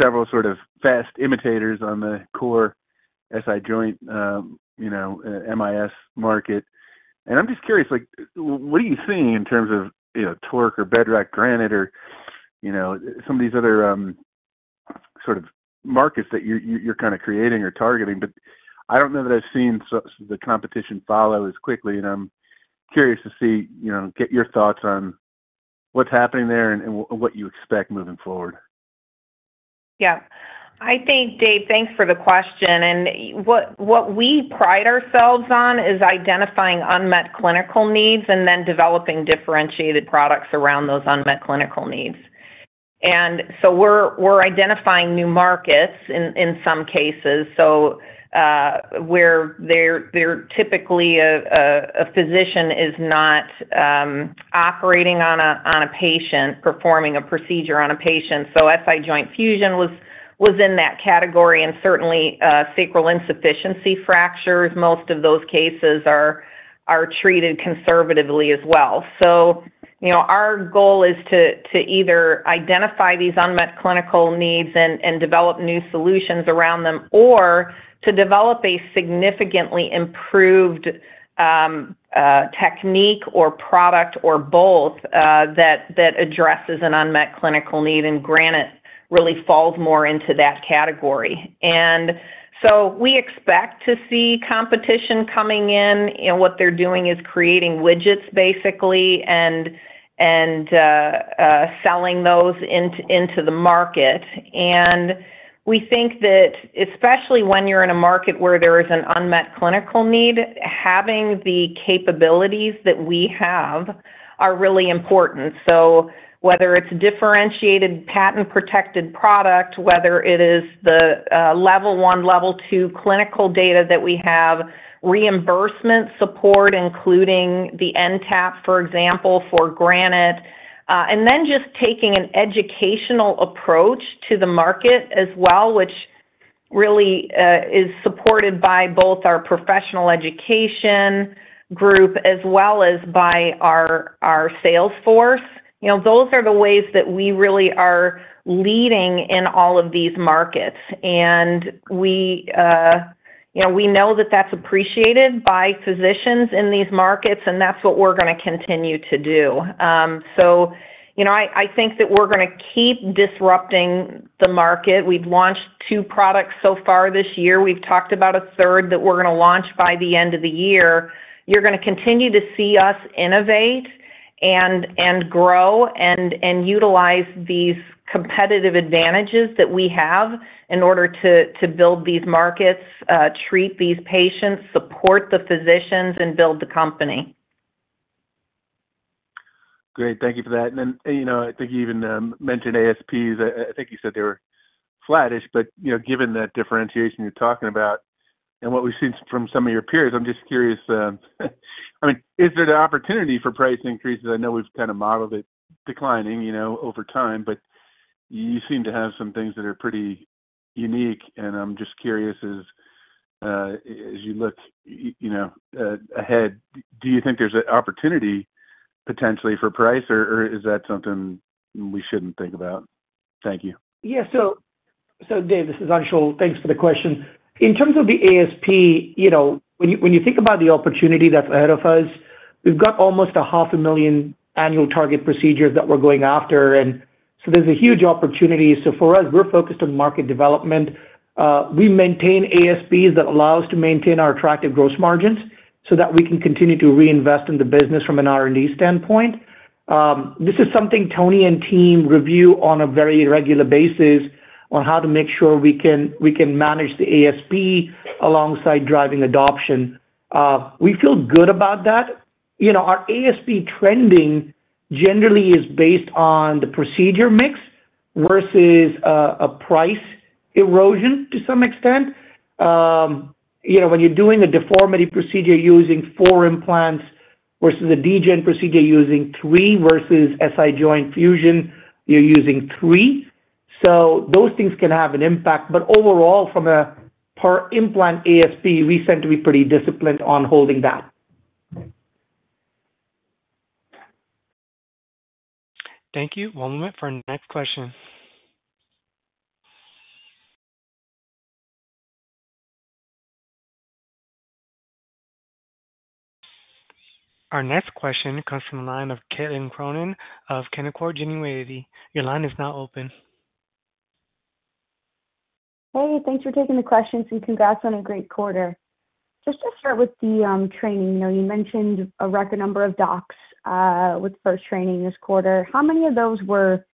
several sort of fast imitators on the core SI joint, you know, MIS market. And I'm just curious, like what are you seeing in terms of, you know, TORQ or Bedrock Granite or, you know, some of these other, sort of markets that you're kind of creating or targeting? But I don't know that I've seen such the competition follow as quickly, and I'm curious to see, you know, get your thoughts on what's happening there and what you expect moving forward. Yeah, I think, Dave, thanks for the question. And what we pride ourselves on is identifying unmet clinical needs and then developing differentiated products around those unmet clinical needs. And so we're identifying new markets in some cases. So, where there typically a physician is not operating on a patient, performing a procedure on a patient. So SI joint fusion was in that category, and certainly, sacral insufficiency fractures, most of those cases are treated conservatively as well. So, you know, our goal is to either identify these unmet clinical needs and develop new solutions around them, or to develop a significantly improved technique or product or both, that addresses an unmet clinical need, and Granite really falls more into that category. And so we expect to see competition coming in, and what they're doing is creating widgets basically, and, and, selling those into, into the market. And we think that especially when you're in a market where there is an unmet clinical need, having the capabilities that we have are really important. So whether it's differentiated, patent-protected product, whether it is the, level one, level two clinical data that we have, reimbursement support, including the NTAP, for example, for Granite. And then just taking an educational approach to the market as well, which really, is supported by both our professional education group as well as by our, our sales force. You know, those are the ways that we really are leading in all of these markets. We, you know, we know that that's appreciated by physicians in these markets, and that's what we're gonna continue to do. So, you know, I, I think that we're gonna keep disrupting the market. We've launched two products so far this year. We've talked about a third that we're gonna launch by the end of the year. You're gonna continue to see us innovate and, and grow and, and utilize these competitive advantages that we have in order to, to build these markets, treat these patients, support the physicians, and build the company. Great. Thank you for that. And then, you know, I think you even mentioned ASPs. I think you said they were flattish, but, you know, given that differentiation you're talking about and what we've seen from some of your peers, I'm just curious, I mean, is there an opportunity for price increases? I know we've kind of modeled it declining, you know, over time, but you seem to have some things that are pretty unique, and I'm just curious, as you look, you know, ahead, do you think there's an opportunity potentially for price, or, or is that something we shouldn't think about? Thank you. Yeah. So, so Dave, this is Anshul. Thanks for the question. In terms of the ASP, you know, when you, when you think about the opportunity that's ahead of us, we've got almost 500,000 annual target procedures that we're going after, and so there's a huge opportunity. So for us, we're focused on market development. We maintain ASPs that allow us to maintain our attractive gross margins, so that we can continue to reinvest in the business from an R&D standpoint. This is something Tony and team review on a very regular basis on how to make sure we can, we can manage the ASP alongside driving adoption. We feel good about that. You` know, our ASP trending generally is based on the procedure mix versus a price erosion to some extent. You know, when you're doing a deformity procedure using 4 implants versus a degen procedure using 3, versus SI joint fusion, you're using 3. Those things can have an impact, but overall, from a per implant ASP, we seem to be pretty disciplined on holding that. Thank you. One moment for our next question. Our next question comes from the line of Caitlin Cronin of Canaccord Genuity. Your line is now open. Hey, thanks for taking the questions, and congrats on a great quarter. Just to start with the training, you know, you mentioned a record number of docs with first training this quarter. How many of those were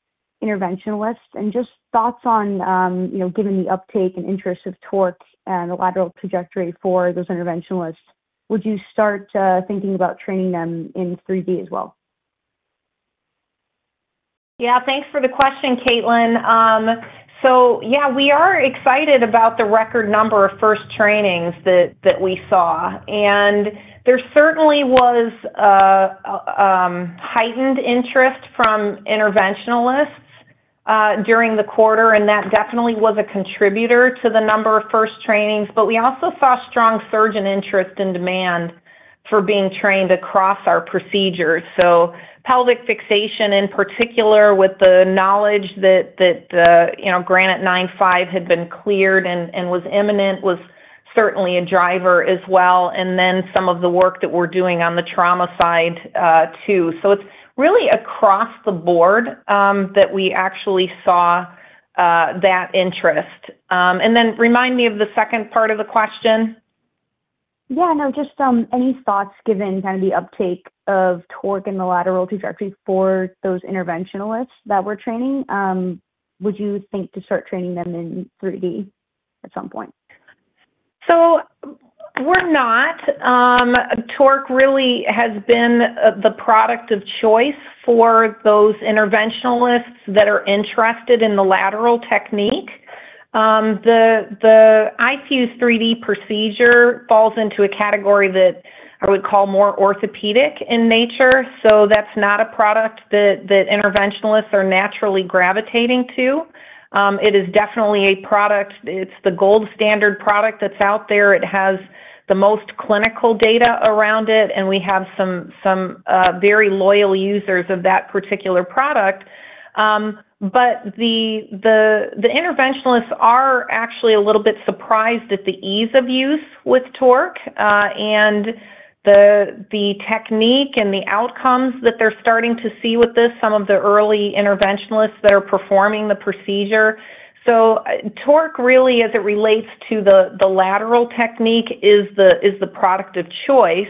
interventionalists? And just thoughts on, you know, given the uptake and interest of Torque and the lateral trajectory for those interventionalists, would you start thinking about training them in 3D as well? Yeah, thanks for the question, Caitlin. So yeah, we are excited about the record number of first trainings that we saw, and there certainly was a heightened interest from interventionalists during the quarter, and that definitely was a contributor to the number of first trainings. But we also saw strong surgeon interest and demand for being trained across our procedures. So pelvic fixation, in particular, with the knowledge that you know, Granite 9.5 had been cleared and was imminent, was certainly a driver as well, and then some of the work that we're doing on the trauma side, too. So it's really across the board that we actually saw that interest. And then remind me of the second part of the question? ... Yeah, no, just, any thoughts given kind of the uptake of TORQ in the lateral trajectory for those interventionalists that we're training, would you think to start training them in 3D at some point? So we're not. TORQ really has been the product of choice for those interventionalists that are interested in the lateral technique. The iFuse 3D procedure falls into a category that I would call more orthopedic in nature. So that's not a product that interventionalists are naturally gravitating to. It is definitely a product, it's the gold standard product that's out there. It has the most clinical data around it, and we have some very loyal users of that particular product. But the interventionalists are actually a little bit surprised at the ease of use with TORQ, and the technique and the outcomes that they're starting to see with this, some of the early interventionalists that are performing the procedure. So TORQ really, as it relates to the lateral technique, is the product of choice.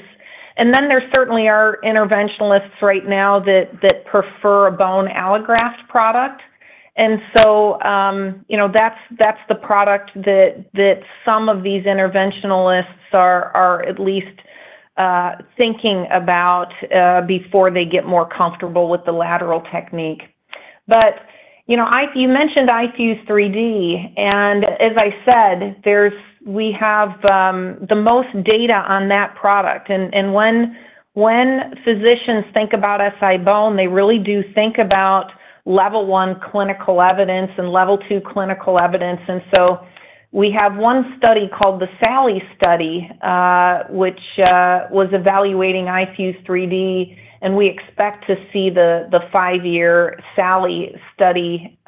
And then there certainly are interventionalists right now that prefer a bone allograft product. And so, you know, that's the product that some of these interventionalists are at least thinking about before they get more comfortable with the lateral technique. But, you know, you mentioned iFuse 3D, and as I said, there's... We have the most data on that product. And when physicians think about SI-BONE, they really do think about level one clinical evidence and level two clinical evidence. And so we have 1 study called the SALLY study, which was evaluating iFuse 3D, and we expect to see the 5-year SALLY study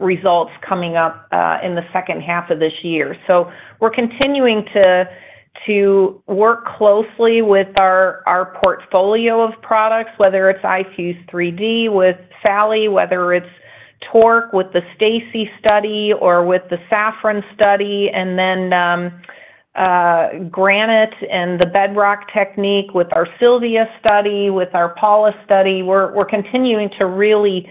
results coming up in the second half of this year. So we're continuing to work closely with our portfolio of products, whether it's iFuse 3D with SALLY, whether it's TORQ with the STACI study or with the SAFFRON study, and then Granite and the Bedrock technique with our SILVIA study, with our PAULA study. We're continuing to really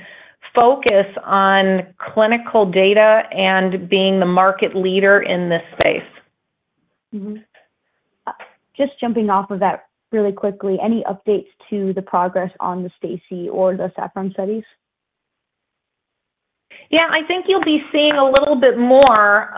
focus on clinical data and being the market leader in this space. Mm-hmm. Just jumping off of that really quickly, any updates to the progress on the STACI or the SAFFRON studies? Yeah, I think you'll be seeing a little bit more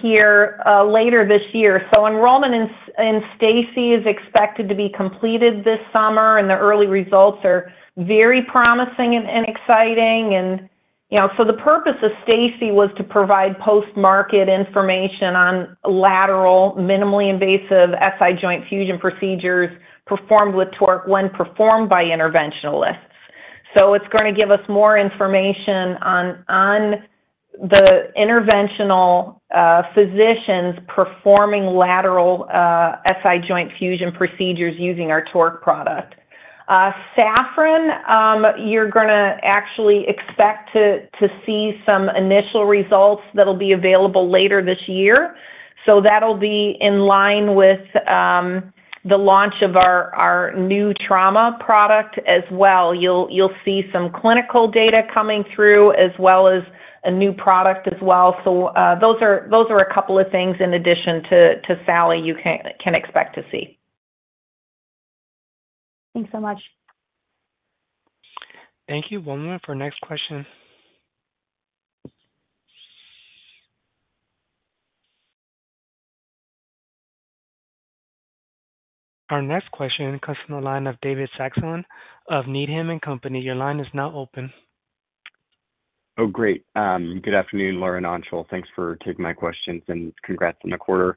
here later this year. So enrollment in STACI is expected to be completed this summer, and the early results are very promising and exciting. And, you know, so the purpose of STACI was to provide post-market information on lateral, minimally invasive SI joint fusion procedures performed with TORQ when performed by interventionalists. So it's gonna give us more information on the interventional physicians performing lateral SI joint fusion procedures using our TORQ product. SAFFRON, you're gonna actually expect to see some initial results that'll be available later this year. So that'll be in line with the launch of our new trauma product as well. You'll see some clinical data coming through, as well as a new product as well. Those are a couple of things in addition to SALLY, you can expect to see. Thanks so much. Thank you. One moment for our next question. Our next question comes from the line of David Saxon of Needham & Company. Your line is now open. Oh, great. Good afternoon, Laura and Anshul. Thanks for taking my questions, and congrats on the quarter.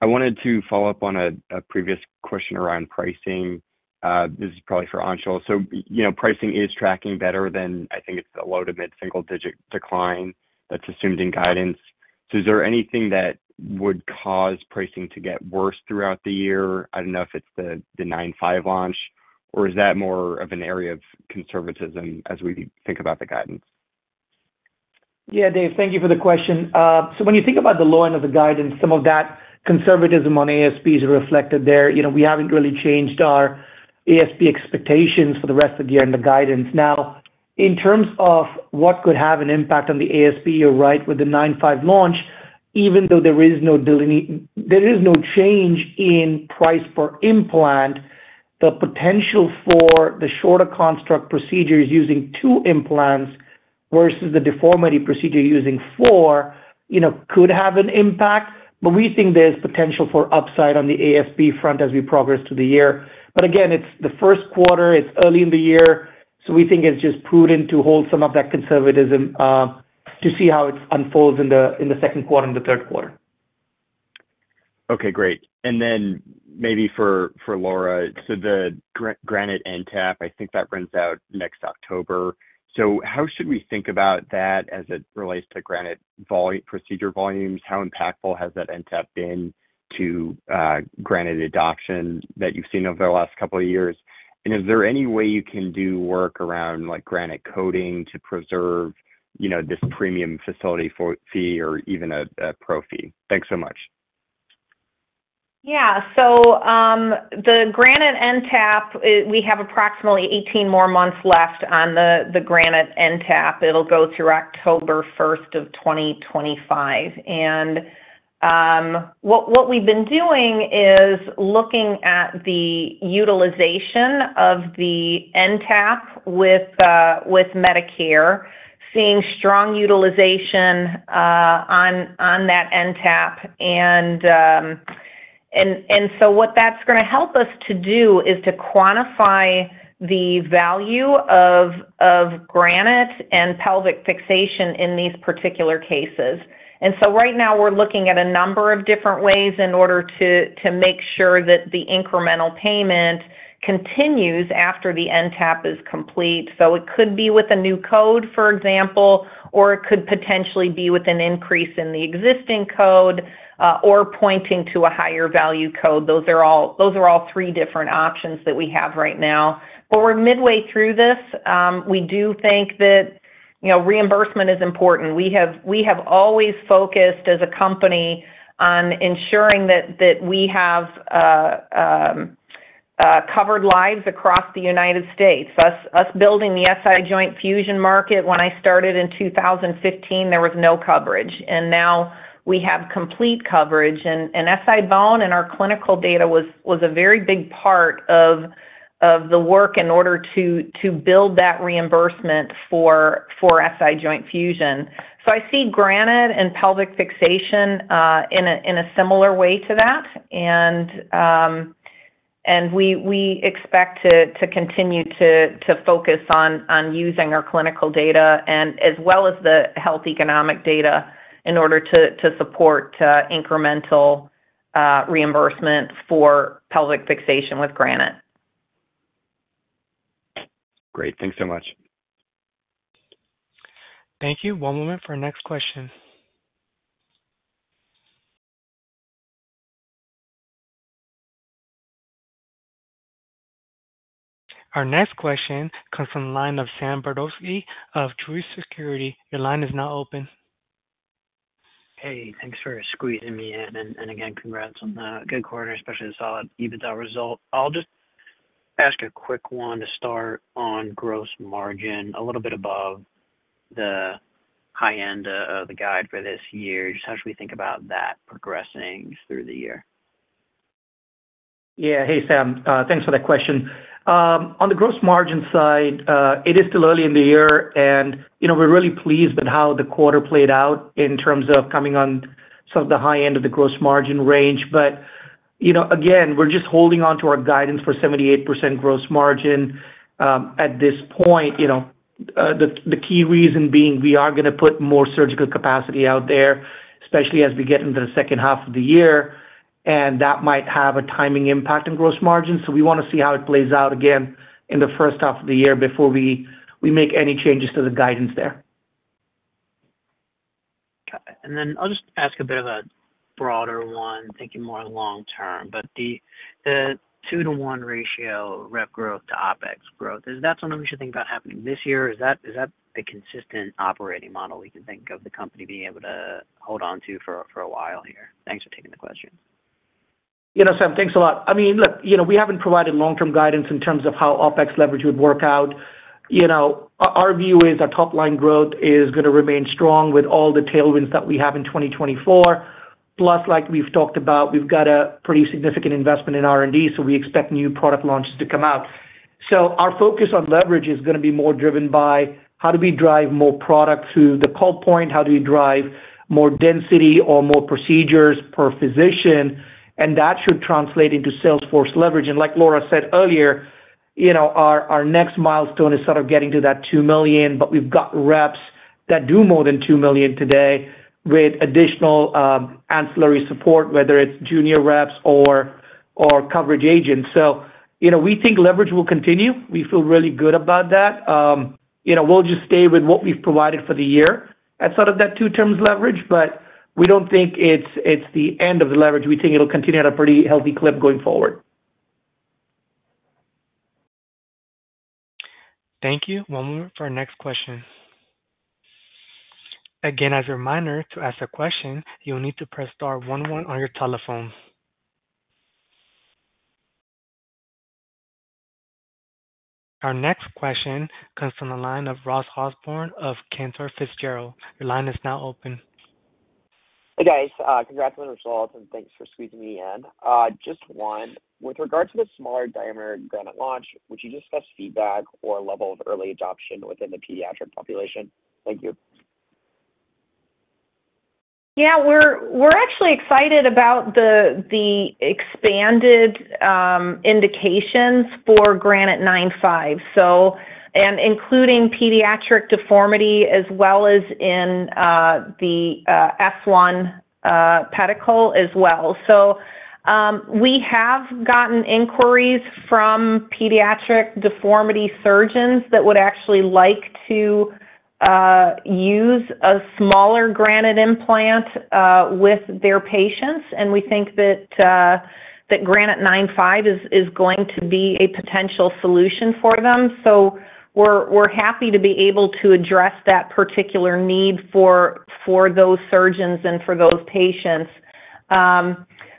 I wanted to follow up on a previous question around pricing. This is probably for Anshul. So, you know, pricing is tracking better than I think it's the low to mid-single digit decline that's assumed in guidance. So is there anything that would cause pricing to get worse throughout the year? I don't know if it's the 9.5 launch, or is that more of an area of conservatism as we think about the guidance? Yeah, Dave, thank you for the question. So when you think about the low end of the guidance, some of that conservatism on ASPs are reflected there. You know, we haven't really changed our ASP expectations for the rest of the year and the guidance. Now, in terms of what could have an impact on the ASP, you're right, with the 9.5 launch, even though there is no change in price per implant, the potential for the shorter construct procedures using two implants versus the deformity procedure using four, you know, could have an impact. But we think there's potential for upside on the ASP front as we progress through the year. But again, it's the Q1, it's early in the year, so we think it's just prudent to hold some of that conservatism, to see how it unfolds in the Q2 and the Q3. Okay, great. And then maybe for Laura. So the Granite NTAP, I think that runs out next October. So how should we think about that as it relates to Granite procedure volumes? How impactful has that NTAP been to Granite adoption that you've seen over the last couple of years? And is there any way you can do work around, like, Granite coding to preserve, you know, this premium facility fee or even a pro fee? Thanks so much.... Yeah, so, the Granite NTAP, we have approximately 18 more months left on the Granite NTAP. It'll go through October first of 2025. And, what we've been doing is looking at the utilization of the NTAP with Medicare, seeing strong utilization on that NTAP. And so what that's gonna help us to do is to quantify the value of Granite and pelvic fixation in these particular cases. And so right now, we're looking at a number of different ways in order to make sure that the incremental payment continues after the NTAP is complete. So it could be with a new code, for example, or it could potentially be with an increase in the existing code or pointing to a higher value code. Those are all three different options that we have right now. But we're midway through this. We do think that, you know, reimbursement is important. We have always focused as a company on ensuring that we have covered lives across the United States. Us building the SI joint fusion market, when I started in 2015, there was no coverage, and now we have complete coverage. And SI-BONE and our clinical data was a very big part of the work in order to build that reimbursement for SI joint fusion. So I see Granite and pelvic fixation in a similar way to that. We expect to continue to focus on using our clinical data, as well as the health economic data, in order to support incremental reimbursements for pelvic fixation with Granite. Great. Thanks so much. Thank you. One moment for our next question. Our next question comes from the line of Samuel Brodovsky of Truist Securities. Your line is now open. Hey, thanks for squeezing me in, and again, congrats on the good quarter, especially the solid EBITDA result. I'll just ask a quick one to start on gross margin, a little bit above the high end of the guide for this year. Just how should we think about that progressing through the year? Yeah. Hey, Sam, thanks for that question. On the gross margin side, it is still early in the year, and, you know, we're really pleased with how the quarter played out in terms of coming on sort of the high end of the gross margin range. But, you know, again, we're just holding on to our guidance for 78% gross margin. At this point, you know, the key reason being we are gonna put more surgical capacity out there, especially as we get into the second half of the year, and that might have a timing impact on gross margin. So we wanna see how it plays out again in the first half of the year before we make any changes to the guidance there. Okay. And then I'll just ask a bit of a broader one, thinking more long term. But the, the 2-to-1 ratio, rep growth to OpEx growth, is that something we should think about happening this year, or is that, is that a consistent operating model we can think of the company being able to hold on to for, for a while here? Thanks for taking the question. You know, Sam, thanks a lot. I mean, look, you know, we haven't provided long-term guidance in terms of how OpEx leverage would work out. You know, our view is our top line growth is gonna remain strong with all the tailwinds that we have in 2024. Plus, like we've talked about, we've got a pretty significant investment in R&D, so we expect new product launches to come out. So our focus on leverage is gonna be more driven by how do we drive more product through the call point, how do we drive more density or more procedures per physician, and that should translate into sales force leverage. And like Laura said earlier, you know, our next milestone is sort of getting to that $2 million, but we've got reps that do more than $2 million today with additional ancillary support, whether it's junior reps or coverage agents. So, you know, we think leverage will continue. We feel really good about that. You know, we'll just stay with what we've provided for the year as sort of that two times leverage, but we don't think it's the end of the leverage. We think it'll continue at a pretty healthy clip going forward. Thank you. One moment for our next question. Again, as a reminder, to ask a question, you'll need to press star one one on your telephone. Our next question comes from the line of Ross Osborne of Cantor Fitzgerald. Your line is now open. Hey, guys, congrats on the results, and thanks for squeezing me in. Just one: With regard to the smaller diameter Granite launch, would you discuss feedback or level of early adoption within the pediatric population? Thank you. Yeah. We're actually excited about the expanded indications for Granite 9.5, so, and including pediatric deformity as well as in the S1 Pedicle as well. So, we have gotten inquiries from pediatric deformity surgeons that would actually like to use a smaller Granite implant with their patients, and we think that Granite 9.5 is going to be a potential solution for them. So, we're happy to be able to address that particular need for those surgeons and for those patients.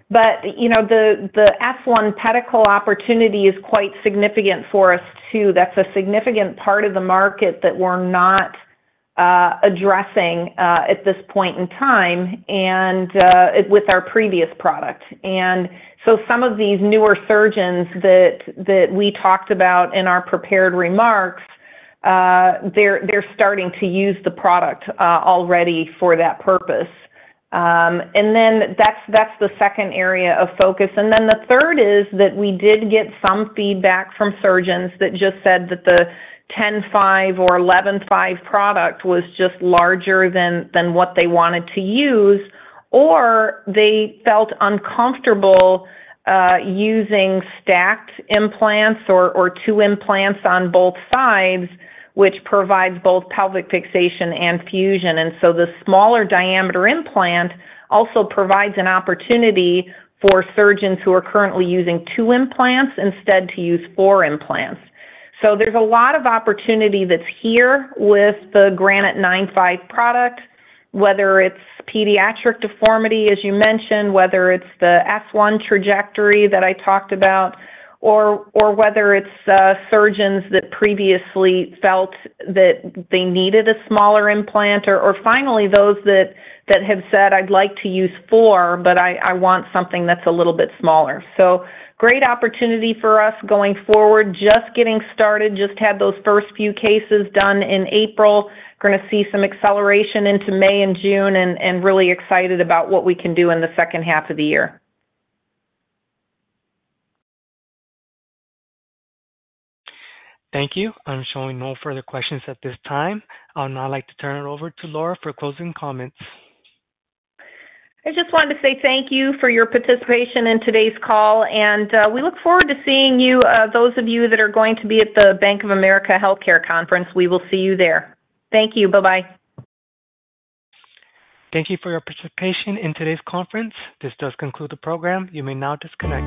But, you know, the S1 Pedicle opportunity is quite significant for us, too. That's a significant part of the market that we're not addressing at this point in time, and with our previous product. And so some of these newer surgeons that we talked about in our prepared remarks, they're starting to use the product already for that purpose. And then that's the second area of focus. And then the third is that we did get some feedback from surgeons that just said that the 10.5 or 11.5 product was just larger than what they wanted to use, or they felt uncomfortable using stacked implants or two implants on both sides, which provides both pelvic fixation and fusion. And so the smaller diameter implant also provides an opportunity for surgeons who are currently using two implants instead to use four implants. So there's a lot of opportunity that's here with the Granite 9.5 product, whether it's pediatric deformity, as you mentioned, whether it's the S1 trajectory that I talked about, or, or whether it's surgeons that previously felt that they needed a smaller implant, or, or finally, those that, that have said, "I'd like to use four, but I, I want something that's a little bit smaller." So great opportunity for us going forward. Just getting started, just had those first few cases done in April. Gonna see some acceleration into May and June and, and really excited about what we can do in the second half of the year. Thank you. I'm showing no further questions at this time. I would now like to turn it over to Laura for closing comments. I just wanted to say thank you for your participation in today's call, and, we look forward to seeing you, those of you that are going to be at the Bank of America Healthcare Conference, we will see you there. Thank you. Bye-bye. Thank you for your participation in today's conference. This does conclude the program. You may now disconnect.